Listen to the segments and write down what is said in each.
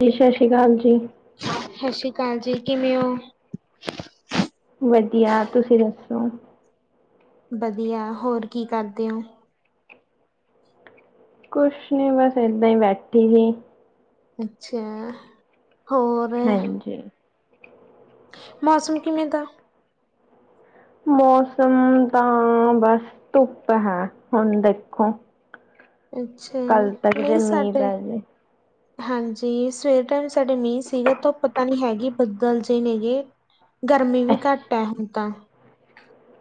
ਜੀ ਸਸ਼੍ਰੀ ਕਾਲ ਜੀ। ਸਸ਼੍ਰੀ ਕਾਲ ਜੀ, ਕਿਵੇਂ ਓ? ਵਧੀਆ, ਤੁਸੀਂ ਦੱਸੋ? ਵਧੀਆ, ਹੋਰ ਕੀ ਕਰਦੇ ਓ? ਕੁਛ ਨੀ ਬਸ ਏਦਾਂ ਈ ਬੈਠੀ ਸੀ ਅੱਛਾ। ਹੋਰ ਹਾਂਜੀ। ਮੌਸਮ ਕਿਵੇਂ ਦਾ? ਮੌਸਮ ਤਾਂ, ਬੱਸ ਧੁੱਪ ਹੈ, ਹੋਣ ਦੇਖੋ ਅੱਛਾ, ਕੱਲ ਤੱਕ ਜੇ ਨਈ ਮੀਂਹ ਸਾਡੇ ਪੈ ਜੇ ਹਾਂਜੀ, ਸਵੇਰ ਟੈਮ ਸਾਡੇ ਮੀਂ ਸੀਗਾ, ਧੁੱਪ ਤਾਂ ਨਣੀ ਹੈਗੀ ਬੱਦਲ ਜੇ ਨੇਗੇ ਗਰਮੀ ਵੀ ਅੱਛ- ਘੱਟ ੲੈ, ਹੁਣ ਤਾਂ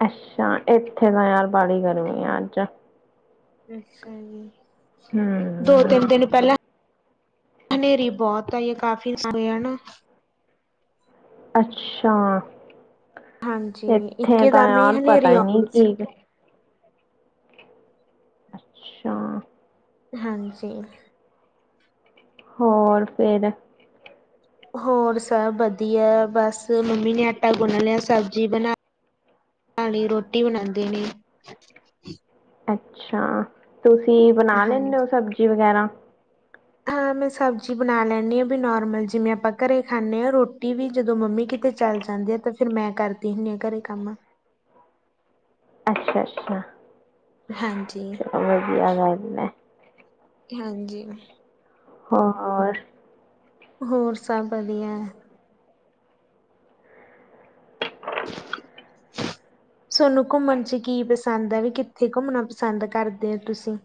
ਅੱਛਾ, ਏਥੇ ਤਾਂ ਯਾਰ ਬਾੜੀ ਗਰਮੀ ਆ ਅੱਜ ਅੱਛਾ ਜੀ। ਹੂੰ। ਦੋ-ਤਿੰਨ ਦਿਨ ਪੈਲਾਂ, ਹਨੇਰੀ ਬੋਤ ਆਈ ਕਾਫੀ ਸਾਰੇਆ ਨਾ ਅੱਛਾ, ਹਾਂਜੀ ਏਥੇ ਇੱਕੇ ਤਾਂ ਦਮ ਹੀ ਯਾਰ ਹਨੇਰੀ ਪਤਾ ਈ ਨੀ ਆਉਂਦੀ ਸੀ। ਕੀ ਅੱਛਾ। ਹਾਂਜੀ। ਹੋਰ ਫੇਰ? ਹੋਰ ਸਭ ਵਧੀਆ, ਬਸ ਮੰਮੀ ਨੇ ਆਟਾ ਗੁਨ ਲੇਆ, ਸਬਜ਼ੀ ਬਣਾ ਪਾਣੀ ਰੋਟੀ ਬਣਾਦੇ ਨੇ। ਅੱਛਾ, ਤੁਸੀਂ ਬਣਾ ਲੈਂਨੇ ਓ ਹਾਂਜੀ। ਸਬਜ਼ੀ ਵਗੈਰਾ? ਹਾਂ, ਮੈਂ ਸਬਜ਼ੀ ਬਣਾ ਲੈਂਣੀ ਬੀ, ਨੋਰਮਲ ਜਿਮੇ ਆਪਾਂ ਘਰੇ ਖਾਣੇ ਆਂ, ਰੋਟੀ ਵੀ ਜਦੋਂ ਮੰਮੀ ਕਿਤੇ ਚੱਲ ਜਾਂਦੀ ਆ ਤੇ ਫੇਰ ਮੈਂ ਕਰਦੀ ਹੁਣੀ ਘਰੇ ਕੰਮ। ਅੱਛਾ-ਅੱਛਾ। ਹਾਂਜੀ। ਵਧੀਆ ਗੱਲ ੲੈ। ਹਾਂਜੀ। ਹੋਰ ਹੋਰ ਸਭ ਵਧੀਆ। ਸਨੂੰ ਘੁੰਮਣ ਚ ਕੀ ਪਸੰਦ ਆ ਵੀ, ਕਿੱਥੇ ਘੁੰਮਣਾ ਪਸੰਦ ਕਰਦੇ ਓ ਤੁਸੀਂ?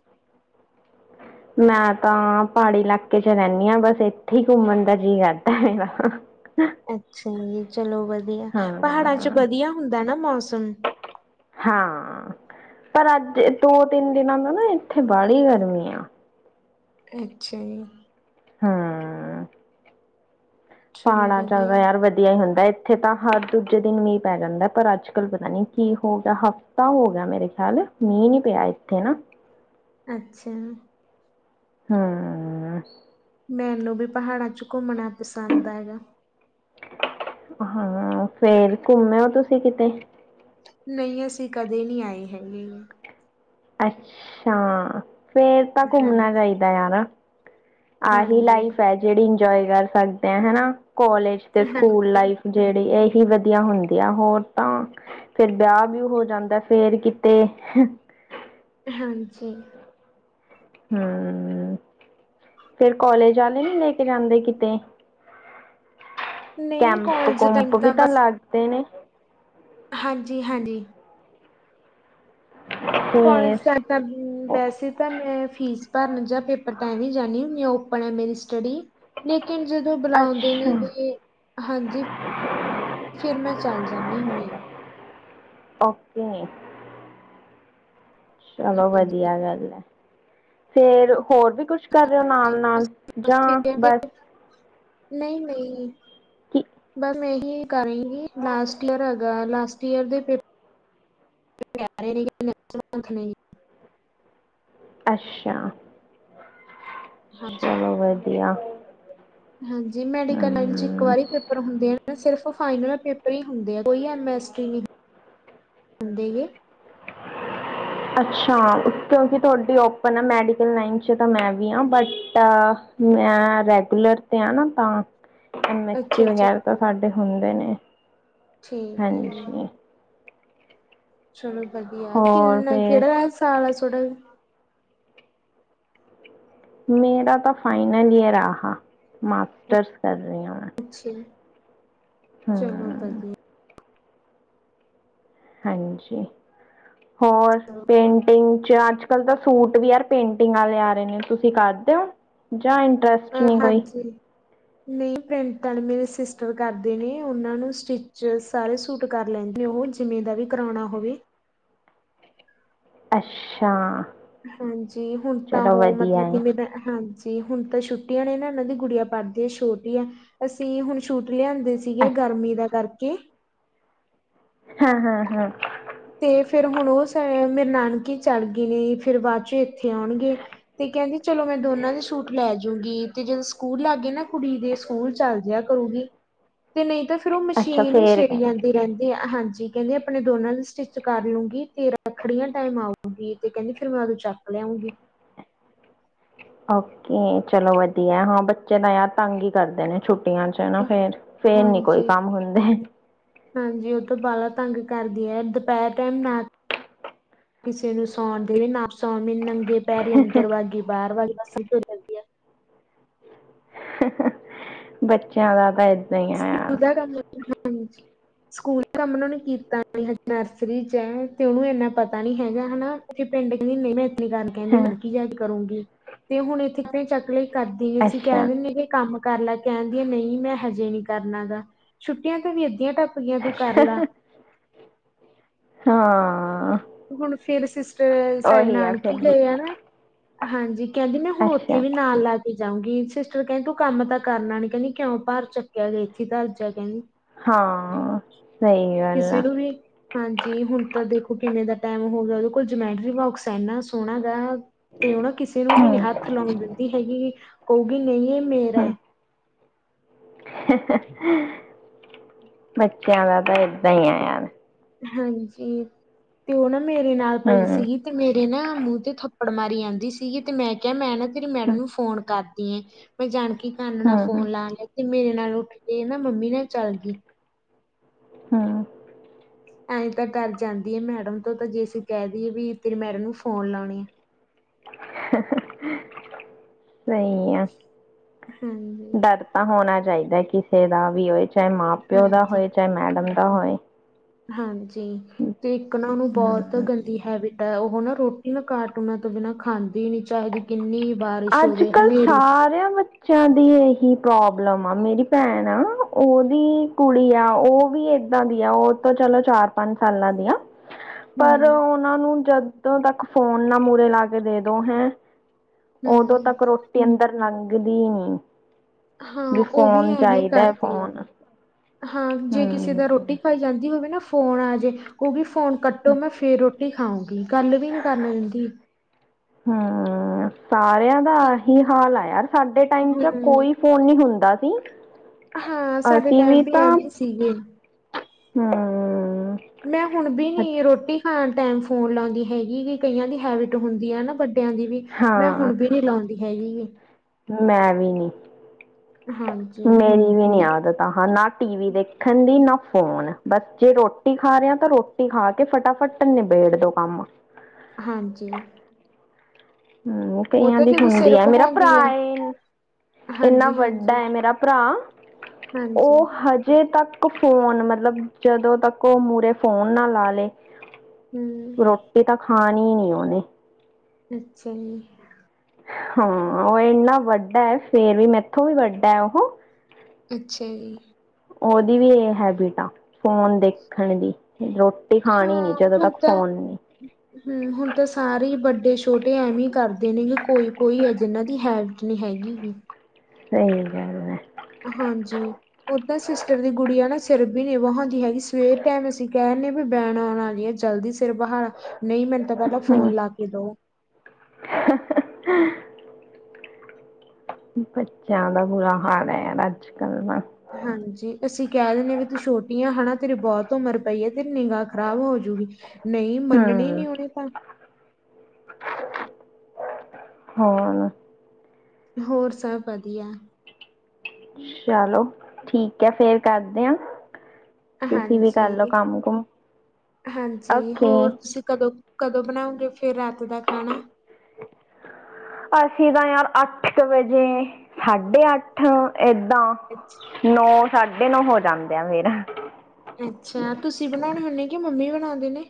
ਮੈਂ ਤਾਂ, ਪਾੜੀ ਲਾਕੇ ਚ ਰੈਂਦੀ ਆ ਬਸ ਏਥੇ ਈ ਘੁੰਮਣ ਦਾ ਜੀ ਕਰਦਾ ਮੇਰਾ ਅੱਛਾ ਜੀ, ਚਲੋ ਵਧੀਆ, ਪਹਾੜਾਂ ਚ ਹਾਂ ਵਧੀਆ ਹੁੰਦਾ ਨਾ ਮੌਸਮ? ਹਾਂ, ਪਰ ਅੱਜ ਦੋ-ਤਿੰਨ ਦਿਨਾਂ ਤੋ ਨਾ ਏਥੇ ਬਾਲੀ ਗਰਮੀ ਆ ਅੱਛਾ ਜੀ। ਹਾਂ। ਚਲੋ ਪਾਣਾ ਚੱਲਦਾ ਵਧੀਆ। ਯਾਰ ਵ ਧੀਆ ਈ ਹੁੰਦਾ ਏਥੇ ਤਾਂ ਹੱਰ ਦੂਜੇ ਦਿਨ ਮੀਂਰ ਪੈ ਜਾਂਦਾ, ਪਰ ਅੱਜ-ਕੱਲ ਪਤਾ ਨੀ ਕੀ ਹੋਊਗਾ ਹਫ਼ ਤਾਂ ਹੋ ਗੇਆ ਮੇਰੇ ਖੇਆਲ, ਮੀਂ ਨੀ ਪੇਆ ਏਥੇ ਹਨਾ। ਅੱਛਾ। ਹਮ। ਮੈਨੂੰ ਵੀ ਪਹਾੜਾਂ ਚ' ਘੁੰਮਣਾ ਪਸਾੰਦ ਹੈਗਾ। ਹਾਂ, ਫੇਰ ਘੁੰਮੇ ਓ ਤੁਸੀਂ ਕਿਤੇ? ਨਹੀਂ ਅਸੀਂ ਕਦੇ ਨਹੀਂ ਆਏ ਹੈਗੇ। ਅੱਛਾ। ਫੇਰ ਤਾਂ ਹਾਂਜੀ। ਘੁੰਮਣਾ ਚਾਹੀਦਾ ਯਾਰਾ। ਆਹੀ ਹਾਂਜੀ, ਲਾਈਫ ਹੈ। ਜਿਹੜੀ ਇੰਜੋਏ ਕਰ ਸਕਦੇ ਆ ਹਨਾ ਕੋਾਲਜ ਤੇ ਸਕੂਲ ਹਾਂਜੀ, ਲਾਈਫ। ਜਿਹੜੀ ਇਹੀ ਵਧੀਆ ਹੁੰਦੀ ਆ ਹੋਰ ਤਾਂ ਫੇਰ ਵਿਆਹ ਵੀ ਹੋ ਜਾਂਦਾ ਫੇਰ ਕਿਤੇ ਹਾਂਜੀ। ਹਮ। ਫੇਰ ਕੋਲੇਜ ਵਾਲੇ ਨੀ ਲੈ ਕੇ ਜਾਂਦੇ ਕਿਤੇ। ਨਹੀਂ ਕੈਂਮਪ ਕਾਲਜ ਕੂਮਪ ਟਾਈਮ ਵੀ ਤਾਂ ਲੱਗਦੇ ਨੇ। ਹਾਂਜੀ-ਹਾਂਜੀ। ਕੋਲੇਜ ਫੇਰ ਦਾ ਤਾਂ ਵੈਸੇ ਤਾਂ ਮੈਂ ਫੀਸ ਭਰਨਜ ਪੇਪਰ ਤਾਂ ਐ ਵੀ ਜਾਂਣੀ ਓਪਨ ਹੈ। ਮੇਰੀ ਸਟੱਡੀ। ਲੇਕਿਨ ਜਦੋਂ ਬੁਲਾਉਂਦੇ ਅੱਛਾ ਨੇਗੇ ਹਾਂਜੀ। ਫੇਰ ਮੈਂ ਚੱਲ ਜਾਂਦੀ ਹੁੰਨੀ ਹ। ਓਕੇ। ਚਲੋ ਹਾਂਜੀ ਵਧੀਆ ਗੱਲ ਹੈ। ਫੇਰ ਹੋਰ ਵੀ ਕੁਛ ਕਰਿਓ ਬਸ ਨਾਲ-ਨਾਲ ਜਾਂ ਦੇ ਬਸ ਨਹੀਂ, ਨਹੀਂ ਕਿ ਬਸ ਇਹੀ ਕਰੇਗੀ, ਲਾਸਟ ਈਅਰ ਹੈਗਾ ਲਾਸਟ [unintelligible] ਅੱਛਾ ਹਾਂਜੀ ਚਲੋ ਵਧੀਆ। ਹਾਂਜੀ ਮੈਡੀਕਲਾਈਨ ਚ ਇੱਕ ਹਮ ਵਾਰੀ ਪੇਪਰ ਹੁੰਦੇ ਨੇ। ਸਿਰਫ ਫਾਈਨਲ ਪੇਪਰ ਹੀ ਹੁੰਦੇ ਆ ਕੋਈ ਐਮਸਟਰੀ ਨਹੀਂ ਹੁੰਦੇ। ਅੱਛਾ ਕਿਉਂਕਿ ਤੁਹਾਡੀ ਓਪਨ ਆ ਮੈਡੀਕਲ ਲਾਈਨ ਚ ਤਾਂ ਮੈਂ ਵੀ ਹਾਂ ਬਟ ਮੈਂ ਰੈਗੂਲਰ ਤੇ ਆ ਨਾ ਤਾਂ ਐਮ-ਐਸ ਅੱਛਾ ਹ ਅੱਛਾ ਵਗੈਰਾ ਤਾਂ ਠੀਕ ਸਾਡੇ ਹੁੰਦੇ ਨੇ। ਠੀਕ ਹੈ ਜੀ। ਹਾਂਜੀ ਚਲੋ ਵਧੀਆ, ਹੋਰ ਕਿੰਨਾ ਫਿਰ ਕਿਹੜਾ ਸਾਲ ਆ ਥੋੜਾ ਮੇਰਾ ਤਾਂ ਫਾਈਨਲ ਈਅਰ ਆ ਮਾਸਟਰਸ ਕਰ ਰਹੀ ਹ ਮੈਂ। ਚਲੋ ਹਮ ਵਧੀਆ। ਹਾਂਜੀ ਹੋਰ ਪੇਂਟਿੰਗ ਚ ਚਾਰਜ ਅੱਜ ਕੱਲ ਤਾਂ ਸੂਟ ਵੀ ਯਾਰ ਪੇਂਟਿੰਗ ਵਾਲੇ ਆ ਰਹੇ ਨੇ, ਤੁਸੀਂ ਕਰਦੇ ਹੋ ਜਾਂ ਇੰਟਰਸਟ ਅ ਨਹੀਂ ਕੋਈ ਹਾਂਜੀ। ਨਹੀਂ ਪ੍ਰਿੰਟ ਵਾਲੇ ਮੇਰੇ ਸਿਸਟਰ ਕਰਦੇ ਨੇ, ਉਹਨਾਂ ਨੂੰ ਸਟਿਚ ਸਾਰੇ ਸੂਟ ਕਰ ਲੈਂਦੇ ਨੇ ਉਹ ਜਿਵੇਂ ਦਾ ਵੀ ਕਰਾਉਣਾ ਹੋਵੇ। ਅੱਛਾ। ਹਾਂਜੀ ਹੁਣ ਤਾਂ ਚਲੋ ਉਹ ਵਧੀਆ ਮਤਲਬ ਹੈ ਕਿਵੇਂ ਦਾ ਹਾਂਜੀ। ਤੇ ਹੁਣ ਤਾਂ ਛੁੱਟੀਆਂ ਨੇ ਨਾ ਇਹਨਾਂ ਦੀ ਗੁੜੀਆਂ ਪੜ੍ਹਦੀਆਂ ਛੋਟੀ ਐ। ਅਸੀਂ ਹੁਣ ਸੂਟ ਲਿਆਂਦੇ ਸੀਗੇ ਅ- ਗਰਮੀ ਦਾ ਕਰਕੇ। ਹਾਂ, ਹਾਂ, ਹਾਂ। ਤੇ ਫੇਰ ਹੁਣ ਉਹ ਮੇਰੇ ਨਾਨਕੀ ਚੜ੍ਹ ਗਏ ਨੇ ਫੇਰ ਬਾਅਦ ਚੋਂ ਇੱਥੇ ਆਉਣਗੇ ਤੇ ਕਹਿੰਦੀ ਚਲੋ ਮੈਂ ਦੋਨਾਂ ਦੇ ਸੂਟ ਲੈਜਊਗੀ। ਤੇ ਜਦੋਂ ਸਕੂਲ ਲੱਗ ਗਏ ਨਾ ਕੁੜੀ ਦੇ, ਸਕੂਲ ਚੱਲ ਜਹਾ ਕਰੂਗੀ। ਤੇ ਨਹੀਂ ਤਾਂ ਫੇਿਰ ਉਹ ਅੱਛਾ ਮਸ਼ੀਨ ਹੀ ਫੇਰ ਛਿੜੀ ਕਹਿਣਾ। ਜਾਂਦੀ ਰਹਿੰਦੀ ਹੈ, ਹਾਂਜੀ ਕਹਿੰਦੇ ਆਪਣੇ ਦੋਨਾਂ ਸੁ ਚਿਤ ਕਰ ਲੂੰਗੀ ਤੇਰਾ ਖੜੀਆਂ ਟਾਈਮ ਆਊਗੀ, ਤੇ ਕਹਿੰਦੀ ਫੇਰ ਮੈਂ ਉਦੋਂ ਚੱਕ ਲਿਆਉਂਗੀ। ਓਕੇ ਚਲੋ ਵਧੀਆ ਹਾਂ ਬੱਚੇ ਦਾ ਯ ਤੰਗ ਹੀ ਕਰਦੇ ਨੇ ਛੁੱਟੀ ਟੀਆਂ ਚ ਨਾ ਫੇਰ-ਫੇਰ ਨੀ ਕੋਈ ਹਾਂਜੀ ਕੰਮ ਹੁੰਦੇ। ਹਾਂਜੀ, ਉਹ ਤੋਂ ਬਾਰਾ ਤੰਗ ਕਰਦੀ ਹੈ। ਦੁਪਹਿਰ ਟਾਈਮ ਨਾ। ਕਿਸੇ ਨੂੰ ਸੌਣ ਦੇਵੇ ਨਾ, ਸੌਣ ਮੈਨ ਨੰਗੇ ਪੈਰੇ ਅੰਦਰ ਵੱਗ ਗਈ, ਬਾਹਰ ਵਗਦਾ। ਬੱਚਾ ਵਾ ਭਾਈ। ਸਕੂਲ ਦਾ ਕੰਮ ਹਾਂ। ਸਕੂਲ ਕੰਮ ਉਹਨਾਂ ਨੇ ਕੀਤਾ ਨ ਹਜੇ, ਨਰਸਰੀ ਚ, ਹੈ ਤੇ ਉਹਨੂੰ ਇੰਨਾ ਪਤਾ ਨੀ ਹੈਗਾ ਹਨਾ। ਉੱਥੇ ਪਿੰਡ ਕਹਿੰਦੀ ਨਹੀਂ ਮੈਂ ਇਸ ਕਹਿੰਦੀ ਹਾਂ ਨਾ ਕੀ ਜਾਇਦ ਕਰੂੰਗੀ ਤੇ ਹੁਣ ਇੱਥੇ ਕਿ ਚੱਕ ਲ। ਕਰਦੀ ਅਸੀਂ ਕਹਿ ਅੱਛਾ ਦਿੰਦੇ ਵੀ ਕੰਮ ਕਰ ਲੈ। ਕਹਿੰਦੀ ਹ ਨਹੀਂ, ਮੈਂ ਹਜੇ ਨੀ। ਕਰਨਾ ਦਾ, ਛੁੱਟੀਆਂ ਤਾਂ ਵੀ ਅੱਧੀਆਂ ਟ। ਹਾਂ ਆ। ਹੁਣ ਫੇਰ ਸਿਸਟਰ ਸਾਡੇ ਉਹੀ ਨਾਨਕੀ ਫਿਰ ਗਏ ਆ ਨਾ, ਹਾਂਜੀ। ਕਹਿੰਦੀ ਨੇ ਹੁਣ ਉੱਥੇ ਅੱਛਾ ਵੀ ਨਾਲ ਲੱ ਜਾਊਗੀ ਸਿਸਟਰ ਕਹਿੰਦੀ। ਤੂੰ ਕੰਮ ਤਾਂ ਕਰਨਾ ਨੀ। ਕਹਿੰਦੀ ਕਿਉਂ ਭਰ ਚੱਕਿਆ ਗ ਇੱਥੇ ਤਰ ਜਾ ਕਹਿੰਦੀ ਹਾਂ, ਸਹੀ ਗੱਲ ਕਿਸੇ ਆ। ਨੂੰ ਵੀ ਹਾਂਜੀ, ਹੁਣ ਤਾਂ ਦੇਖੋ ਕਿਵੇਂ ਦਾ ਟਾਈਮ ਹੋ ਗਿਆ, ਉਹਦੇ ਕੋਲ ਜਮੈਟਰੀ ਵਬਕਸ ਇੰਨਾ ਸੋਹਣਾ ਗ ਤੇ ਉਹ ਨਾ ਕਿਸੇ ਨੂੰ ਵੀ ਨੀ ਹਮ, ਹੱਥ ਲਾਉਣ ਦਿੰਦੀ ਹੈਗੀ। ਕਹੂਗੀ ਨਹੀਂ ਇਹ ਮੇਰਾ ਹੈ। ਹਮ। ਬੱਚਿਆਂ ਦਾ ਤਾਂ ਏਦਾਂ ਹੀ ਐ। ਹਾਂਜੀ, ਤੇ ਉਹ ਨਾ ਮੇਰੇ ਨਾਲ ਪਈ ਹਮ ਸੀਗੀ। ਤੇ ਮੇਰੇ ਨਾ ਮੂੰਹ ਤੇ ਥੱਪੜ ਮਾਰੀ ਆਂਦੀ ਸੀਗੀ। ਤੇ ਮੈਂ ਕਿਹਾ ਮੈਂ ਨਾ ਫਰੀ ਹਮ ਮੈਡਮ ਨੂੰ ਫੋਨ ਕਰਦੀ ਆ, ਮੈਂ ਜਾਣਕੀ ਕਨ ਨਾਲ ਹਮ ਫੋਨ ਲਾ ਲ ਤੇ ਮੇਰੇ ਨਾਲ ਉੱਠ ਕੇ ਨਾ, ਮੰਮੀ ਨਾਲ ਚੱਲ ਗਈ ਹਾਂ। ਐਂ ਤਾਂ ਡਰ ਜਾਂਦੀ ਹੈ। ਮੈਡਮ ਤੋਂ ਤਾਂ ਜੇ ਅਸੀਂ ਕਹਿ ਦਈਏ ਵੀ, ਤੇਰੇ ਮੈਡਮ ਨੂੰ ਫੋਨ ਲਾਉਣੇ ਆ। ਸਹੀ ਆ। ਹਾਂਜੀ। ਡਰ ਤਾਂ ਹੋਣਾ ਚਾਹੀਦਾ। ਕਿਸੇ ਦਾ ਵੀ ਹੋਏ, ਚਾਹੇ ਮਾਂ, ਪਿਓ ਦਾ ਹਾਂਜੀ, ਹੋਏ ਚਾਹੇ ਮੈਡਮ ਦਾ ਹੋਏ। ਹਾਂਜੀ, ਤੇ ਇੱਕ ਨਾ ਉਹਨੂੰ ਬਹੁਤ ਹਮ ਗੰਦੀ ਹੈਵੀਟ ਉਹ ਨਾ, ਰੋਟੀ ਨਾ ਕਾਟੁਨਾ ਤੋਂ ਬਿਨਾਂ ਖਾਂਦੀ ਨੀ ਚਾਹਿਦੀ। ਕਿੰਨੀ ਵਾਰ ਅੱਜ ਕੱਲ੍ਹ ਸਾਰਿਆਂ ਬਚ ਬੱਚਾ ਦੀ ਇਹੀ ਪ੍ਰੋਬਲਮ ਆ, ਮੇਰੀ ਭੈਣ ਆ ਉਹਦੀ ਕੁੜੀ ਆ। ਉਹ ਵੀ ਏਦਾਂ ਦੀ ਆ, ਉਹ ਤਾਂ ਚਲੋ ਚਾਰ- ਪੰਜ ਸਾਲਾਂ ਦੀ ਆ। ਪਰ ਹੂੰ-ਹੂੰ। ਉਹਨਾਂ ਨੂੰ ਜਦੋਂ ਤੱਕ ਫੋਨ ਨਾ, ਮੂਹਰੇ ਲਾ ਕੇ ਦੇ ਦੋ ਹੈ। ਉਦੋਂ ਤੱਕ ਰੋਟੀ ਅੰਦਰ ਲੰਘਦੀ ਨੀ। ਹਾਂ ਵੀ ਉਹ ਫੋਨ ਐਵੇਂ ਹੀ ਚਾਹੀਦਾ ਹ ਕਰਦੀ ਆ। ਫੋਨ। ਹਾਂ। ਜੇ ਕਿਸੇ ਦਾ ਰੋਟੀ ਹਮ ਖਾਈ ਜਾਂਦੀ ਹੋਵੇ ਨਾ। ਫੋਨ ਆ ਜੇ ਕਹੁਗੀ ਫੋਨ ਕੱਟੋ ਮੈਂ ਫੇਰ ਰੋਟੀ ਖਾਉਂਗੀ। ਗੱਲ ਵੀ ਨੀ ਕਰਨਾ ਦਿੰਦੀ। ਹਾ। ਸਾਰਿਆਂ ਦਾ ਆਹੀ ਹਾਲ ਆ। ਯਾਰ ਸਾਡੇ ਟਾਈਮ ਚ ਹੂੰ, ਕੋਈ ਫੋਨ ਨੀ ਹੁੰਦਾ ਸੀ। ਹਾਂ, ਸਾਡੇ ਅਸੀਂ ਟਾਈਮ ਵੀ ਤਾਂ ਐਵੇਂ ਸੀਗੇ। ਹਮ। ਮੈਂ ਹੁਣ ਵੀ ਅੱਛ ਨੀ ਰੋਟੀ ਖਾਣ ਟਾਈਮ ਫੋਨ ਲਾਉਂਦੀ ਹੈਗੀ। ਕਈਆਂ ਦੀ ਹੈਬਿਟ ਹੁੰਦੀ ਆ ਨਾ ਵ ਟਿਆਂ ਦੀ ਵੀ, ਮੈਂ ਹਾਂ ਹੁਣ ਵੀ ਨੀ ਲਾਉਂਦੀ ਹੈਗੀ ਆ। ਮੈਂ ਵੀ ਨੀ। ਹਾਂਜੀ। ਮ ਏਵੀ ਨੇ ਕਿ ਆਦਤਾਂ ਹਾਂ ਨਾ ਟੀਵੀ ਦੇਖਨ ਦੀ, ਨਾ ਫੋਨ ਬਸ ਜੇ ਰੋਟੀ ਖਾ ਰਹੇ ਤਾਂ ਰੋ ਟੀ ਖਾ ਕੇ ਫਟਾਫਟ ਨਿਬੇੜ ਦੋ ਕੰਮ। ਹਾਂਜੀ। ਹੂੰ, ਉਹ ਕਈਆਂ ਤਾਂ ਦੀ ਜਦੋਂ ਹੁੰਦੀ ਸਿਰ ਆ, ਮੇਰਾ ਬਹਾਉਂਦੀ ਆ ਭਰਾ ਏ ਇੰਨਾ ਹਾਂਜੀ ਹਾਂਜੀ ਵੱਡਾ ਏ, ਮੇਰਾ ਭਰਾ ਓ ਹਾਂਜੀ ਹਜੇ ਤੱਕ ਕ ਫੋਨ ਮਤਲਬ ਜਦੋਂ ਤੱਕ ਓ, ਮੂਹਰੇ ਫੋਨ ਨਾ ਲਾ ਲਏ, ਹਮ ਰੋਟ ਐ ਤਾਂ ਖਾਨੀ ਨੀ ਉਨੇ। ਅੱਛਾ ਜੀ। ਹਾਂ, ਓ ਏਨਾ ਵੱਡਾ ਏ, ਫੇਰ ਵੀ ਮੈਥੋਂ ਵੀ ਵੱਡਾ ਏ ਉਹ ਅੱਛਾ ਜੀ। ਉਹਦੀ ਵੀ ਐ ਹੈਬਿਟ ਆ, ਫੋਨ ਦੇਖਨ ਦੀ ਰੋ ਟੀ ਖਾਨੀ ਨੀ, ਜਦੋਂ ਤੱਕ ਫ਼ੋਨ ਨੀ [inaudible] ਹੂੰ, ਹੁਨ ਤਾਂ ਸਾਰੇ ਹੀ ਵੱਡੇ -ਛੋਟੇ ਐਵੇਂ ਹੀ ਕਰਦੇ ਨੇਗੇ ਕੋਈ-ਕੋਈ ਏ। ਜਿਹਨਾਂ ਦੀ ਹੈਫੀਟ ਨੀ ਹੈਗੀ। ਸਹੀ ਗੱਲ ਏ। ਹਾਂਜੀ ਉ ਤਾਂ ਸਿਸਟਰ ਦੀ ਗੁੜੀਆ ਨਾ ਸਿਰ ਬੀ ਨਾ ਵਹਾਉਂਦੀ ਹੈਗੀ। ਸਵੇਰ ਟੈਮ ਅਸੀ ਕੈਨ ਡਏ ਬੈਨ ਆਉਣ ਵਾਲੀ ਆ। ਜਲਦੀ ਸਿਰ ਬਹਾ ਲਾ, ਨਈ ਮੈਨੂੰ ਤਾਂ ਪੇਹਲਾਂ ਹਮ। ਫੋਨ ਲਾ ਕੇ ਦੇਓ। [unintelligible] ਬੱਚੇਆਂ ਦਾ ਬੁਰਾ ਹਾਲ ਏ, ਨਾ ਅੱਜ- ਕੱਲ ਨਾ ਹਾਂਜੀ, ਅਸੀਂ ਕੇਅ ਦਿੰਨੇ ਆ ਵੀ ਤੂੰ ਛੋਟੀ ਆ ਹਨਾ। ਤੇਰੀ ਬੋਹਤ ਉਮਰ ਪਈ ਏ, ਤੇਰੀ ਨਿੰਗਾ ਖਰਾਬ ਹੋਜੂਗੀ। ਨਹਈ ਮੰਨ ਹਮ ਨੀ ਉਨੇ ਪਰ ਹੋਰ ਹੋਰ ਸਭ ਵਧੀਆ। ਚਲੋ, ਠੀਕ ਏ ਫੇਰ ਕਰਦੇ ਆਂ। ਹਾਂਜੀ-ਹਾਂਜੀ ਓਕੇ ਹੋਰ ਤੁਸੀਂ ਕਦੋਂ ਕਦੋਂ ਬਨਾਉਗੇ ਫੇਰ ਰਾਤ ਦਾ ਖਾਨਾ ਅਸੀਂ ਤਾਂ ਯਾਰ ਅੱਠ ਕ ਵਜੇ ਸਾਢੇ ਅੱਠ ਏਦਾਂ ਅੱਛਾ। ਨੌ ਸਾਢੇ ਨੌ ਹੋ ਜਾਂਦੇ ਆ ਫੇਰ ਅੱਛਾ, ਤੁਸੀਂ ਬਨਾਉਨੇ ਹੁੰਦੇ, ਕਿ ਮੰਮੀ ਬਨਾਦੇ ਨੇ।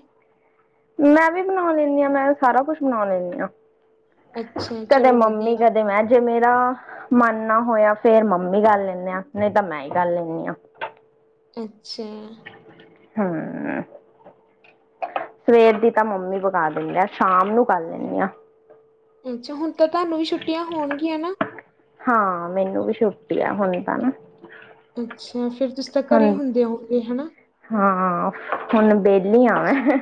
ਮੈਂ ਵੀ ਬਨਾਓ ਲੈਂਨੀ ਆਂ, ਮੈਂ ਸਾਰਾ ਕੁਛ ਬਨਾਓ ਲੈਂਨੀ ਆ। ਅੱਛਾ, ਕਦੇ ਚਲੋ ਮੰਮੀ ਵਧੀਆ। ਕਦੇ ਮੈਂ ਜੇ ਮੇਰਾ ਮਨ ਨਾ ਹੋਏਆ, ਫੇਰ ਮੰਮੀ ਕਰ ਲੈਂਨੇ ਆਂ, ਨਈ ਤਾਂ ਮੈਂ ਹੀ ਕਰ ਲੈਂਨੀ ਆਂ। ਅੱਛਾ। ਹਾਂ ਸਵੇਰ ਦੀ ਤਾਂ ਮੰਮੀ ਪਕਾ ਦਿੰਦੇ ਆਂ, ਸ਼ਾਮ ਨੂੰ ਕਰ ਲੈਂਨੀ ਆਂ। ਅੱਛਾ, ਹੁਨ ਤਾਂ ਤੁਹਾਨੂੰ ਵੀ ਛੁੱਟੀਆਂ ਹੋਨਗੀਆਂ ਨਾ। ਹਾਂ, ਮੈਨੂੰ ਵੀ ਛੁੱਟੀ ਆ ਹੁਨ ਤਾਂ ਨਾ ਅੱਛਾ, ਫੇਰ ਤੁਸੀਂ ਤਾਂ ਘਰੇ ਹੁਣ ਹੁੰਦੇ ਹੋਗੇ ਹਨਾ। ਹਾਂ, ਹੁਨ ਬੇਹਲੀ ਆ ਮੈਂ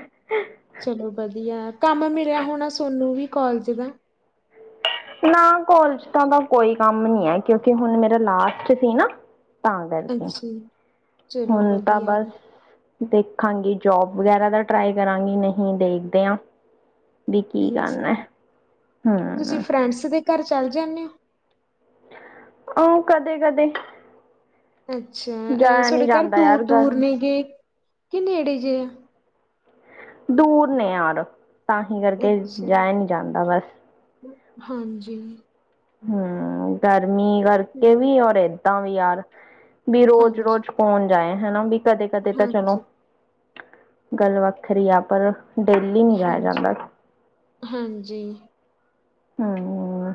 ਚਲੋ, ਵਧੀਆ ਕੰਮ ਮਿਲੇਆ ਹੋਨਾ, ਸੋਨੂੰ ਵੀ ਕੋਲਜ ਦਾ। ਨਾ ਕੋਲਜ ਦਾ ਤਾ ਕੋਈ ਕੰਮ ਨੀ ਏ, ਕਿਉਂਕਿ ਹੁਨ ਮੇਰਾ ਲਾਸਟ ਸੀ ਨਾ। ਤਾਂ ਅੱਛਾ ਕਰਕੇ ਜੀ, ਚਲੋ ਹੁਨ ਤਾਂ ਵਧੀਆ ਬਸ ਦੇਖਾਂਗੀ ਜੋਬ ਵਗੈਰਾ ਦਾ ਟਰਾਈ ਕਰਾਂਗੀ, ਨਹੀਂ ਦੇਖਦੇ ਆਂ। ਵੀ ਕੀ ਅੱਛਾ ਗਲ ਐ ਜੀ। ਤੁਸੀਂ ਹਾਂ। ਫਰੈਂਡਸ ਦੇ ਘਰ ਚੱਲ ਜਾਂਨੇ ਓ। ਓ ਕਦੇ-ਕਦੇ। ਅੱਛਾ ਅਹ ਨਹੀਂ ਸਾਡੇ ਘਰ ਜਾਂਦਾ ਯਾਰ ਘਰ ਦੂਰ-ਦੂਰ ਨੇ ਗੇ ਕੇ ਨੇੜੇ ਜੇ ਆ। ਦੂਰ ਨੇ ਯਾਰ ਤਾਂਹੀ ਕਰਕੇ ਅੱਛਾ ਜੀ, ਜਾਇਆ ਨੀ ਜਾਂਦਾ ਬਸ। ਹਾਂਜੀ। ਹੂੰ ਗਰਮੀ ਕਰਕੇ ਹਮ, ਵੀ ਔਰ ਏਦਾਂ ਵੀ ਯਾਰ ਵੀ ਹਾਂਜੀ ਰੋਜ਼-ਰੋਜ਼ ਕੋਣ ਜਾਏ ਹਨਾ ਵੀ ਕਦੇ-ਕਦੇ ਤਾਂ ਚਲੋ ਹਾਂਜੀ ਗੱਲ ਵੱਖਰੀ ਆ, ਪਰ ਡੇਲੀ ਨੀ ਜਾਇਆ ਹਾਂਜੀ ਜਾਂਦਾ। ਹਾਂਜੀ ਹੂੰ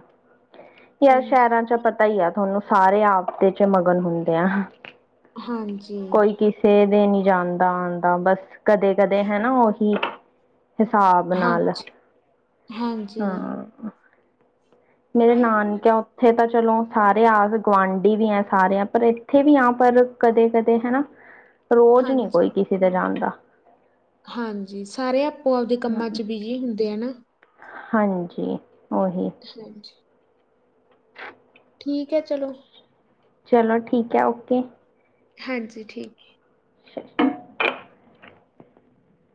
ਯਾਰ ਹਾਂਜੀ ਸੈ਼ਰਾਂ ਚ ਪ ਪਤਾ ਈ ਆ ਤੁਹਾਨੂੰ ਸਾਰੇ ਆਪਦੇ 'ਚ ਮਗਨ ਹੁੰਦੇ ਆ। ਹਾਂਜੀ। ਕੋਈ ਕਿਸੇ ਦੇ ਨੀ ਜਾਂਦਾ ਆਂਦਾ ਬਸ ਕਦੇ-ਕਦੇ ਹੈ ਨਾ ਓਹੀ ਹਿਸਾਬ ਹਾਂ ਨਾਲ ਹਾਂਜੀ ਹਾਂ ਮੇਰੇ ਨਾਨਕਿਓ ਓਥੇ ਤਾਂ ਚਲੋ ਸਾਰੇ ਆਸ ਗੁਆਂਢੀ ਵੀ ਆ ਸਾਰੇ ਆ, ਪਰ ਏਥੇ ਵੀ ਆਂ ਪਰ ਕਦੇ-ਕਦੇ ਹਨਾ। ਰੋਜ਼ ਨੀ ਹਾਂਜੀ ਕੋਈ ਕਿਸੇ ਦੇ ਜਾਂਦਾ। ਹਾਂਜੀ, ਸਾਰੇ ਆਪੋ ਆਪਦੇ ਹਾਂ। ਕੰਮਾਂ 'ਚ ਬਿਜੀ ਹੁੰਦੇ ਆ ਨਾ। ਹਾਂਜੀ, ਓਹੀ। ਹਾਂਜੀ। ਠੀਕ ਐ, ਚਲੋ। ਚਲੋ ਠੀਕ ਐ, ਓਕੇ। ਹਾਂਜੀ, ਠੀਕ ਏ। [inaudible]